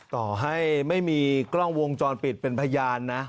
ต่อให้ไม่มีกล้องวงจรปิดเป็นพยานนะ